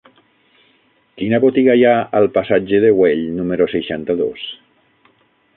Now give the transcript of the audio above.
Quina botiga hi ha al passatge de Güell número seixanta-dos?